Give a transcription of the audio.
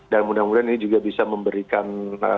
dan mudah mudahan ini juga bisa memberikan